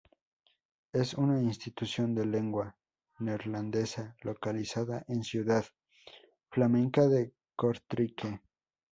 Es una institución de lengua neerlandesa, localizada en ciudad flamenca de Cortrique.